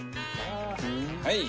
はい！